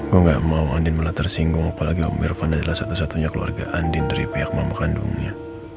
gue gak mau andin malah tersinggung apalagi om ervan adalah satu satunya keluarga andin dari pihak mama kandungnya